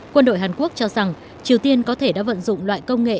quân đội hàn quốc cho rằng triều tiên có thể đã vận dụng loại công nghệ